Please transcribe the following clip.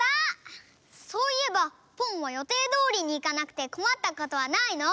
そういえばポンは予定どおりにいかなくてこまったことはないの？